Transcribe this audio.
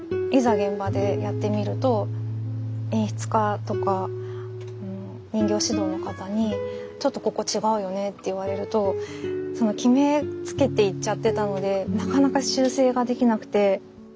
現場でやってみると演出家とか人形指導の方に「ちょっとここ違うよね」って言われると決めつけて行っちゃってたのでなかなか修正ができなくて。